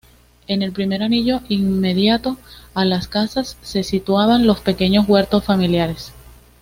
En el primer anillo, inmediato a las casas, se situaban los pequeños huertos familiares.